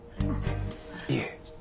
いえ。